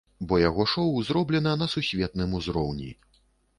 Бо яго шоў зроблена на сусветным узроўні!